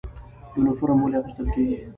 یونفورم ولې اغوستل کیږي؟